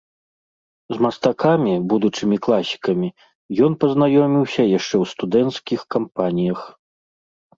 З мастакамі, будучымі класікамі, ён пазнаёміўся яшчэ ў студэнцкіх кампаніях.